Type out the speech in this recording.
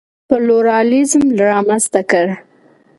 پلورالېزم رامنځته کړ.